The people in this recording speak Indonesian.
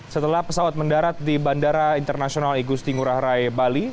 setelah pesawat mendarat di bandara internasional igusti ngurah rai bali